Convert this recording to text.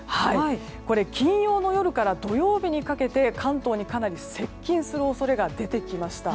金曜日の夜から土曜日にかけて関東にかなり接近する恐れが出てきました。